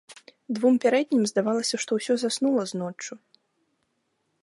Двум пярэднім здавалася, што ўсё заснула з ноччу.